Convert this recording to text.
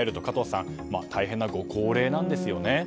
加藤さん大変なご高齢なんですよね。